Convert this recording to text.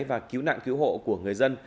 và cứu nạn cứu hộ của người dân